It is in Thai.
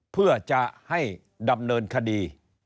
เพื่อจะให้ดำเนินคดี